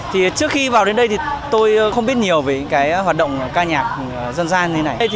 thì trước khi vào đến đây thì tôi không biết nhiều về hoạt động ca nhạc dân gian như thế này